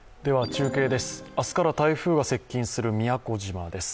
中継です、明日から台風が接近する宮古島です。